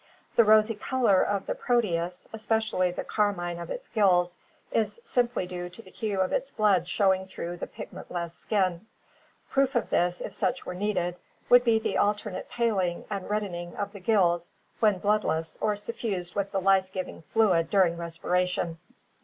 The rosy color of the Pro teus, especially the carmine of its gills, is simply due to the hue of its blood showing through the pigment less skin. Proof of this, if such were needed, would be the alternate paling and reddening of the gills when bloodless or suffused with the life giving fluid during respiration.